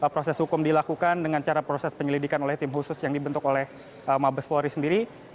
proses hukum dilakukan dengan cara proses penyelidikan oleh tim khusus yang dibentuk oleh mabes polri sendiri